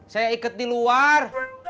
saya iket di luar